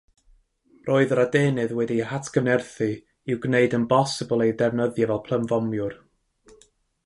Roedd yr adenydd wedi'u hatgyfnerthu i'w gwneud yn bosibl ei defnyddio fel plymfomiwr.